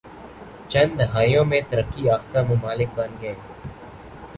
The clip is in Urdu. چند دہائیوں میں ترقی یافتہ ممالک بن گئے